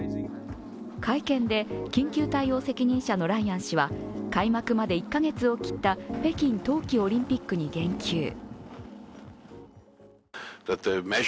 会見で緊急対応責任者のライアン氏は開幕まで１カ月を切った北京冬季オリンピックに言及。